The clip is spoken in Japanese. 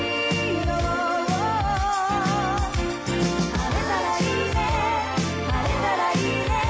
「晴れたらいいね晴れたらいいね」